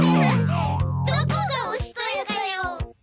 あどこがおしとやかよ！？